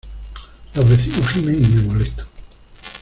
Los vecinos gimen y me molestan.